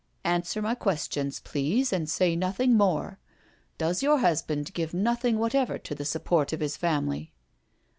•,•" "Answer my questions, please, and say nothing more. Does your husband give nothing whatever to the sup port of his family?"